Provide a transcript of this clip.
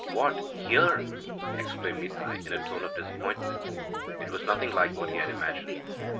'What, here!' exclaimed Nitai in a tone of disappointment. It was nothing like what he had imagined.